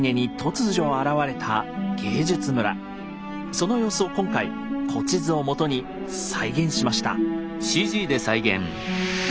その様子を今回古地図をもとに再現しました。